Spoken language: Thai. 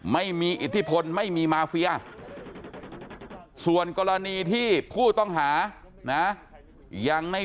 ไม่มีอิทธิพลไม่มีมาเฟียส่วนกรณีที่ผู้ต้องหานะยังไม่